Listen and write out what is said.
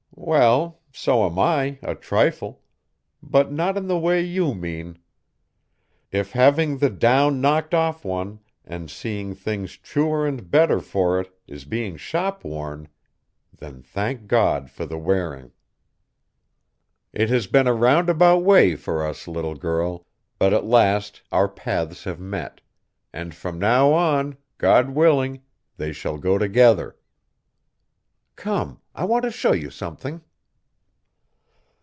"Well, so am I, a trifle, but not in the way you mean. If having the down knocked off one and seeing things truer and better for it is being shop worn, then thank God for the wearing. "It has been a roundabout way for us, little girl, but at last our paths have met, and from now on, God willing, they shall go together. Come, I want to show you something."